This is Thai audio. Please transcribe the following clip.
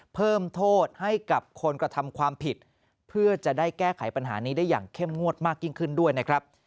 เพิ่มโทษให้กับคนกระทำความผิดเพื่อจะได้แก้ไขปัญหานี้ได้อย่างเข้มงวดมากยิ่งขึ้นด้วยนะครับ